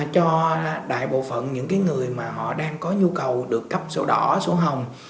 cho đại bộ phận những người mà họ đang có nhu cầu được cấp sổ đỏ sổ hồng